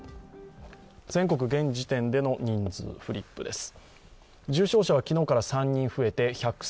全国、現時点での人数、フリップです。